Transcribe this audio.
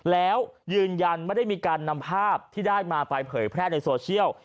แล้วยืนยันไม่ได้มีการนำภาพที่ได้มาไปเผยแพร่ในโซเชียล